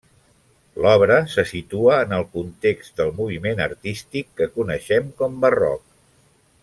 L'obra se situa en el context del moviment artístic que coneixem com barroc.